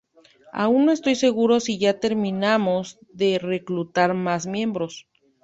Aún no estoy seguro si ya terminamos de reclutar más miembros".